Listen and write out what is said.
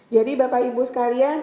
jadi bapak ibu sekalian